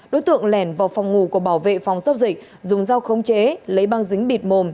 đối tượng lèn vào phòng ngủ của bảo vệ phòng giao dịch dùng dao không chế lấy băng dính bịt mồm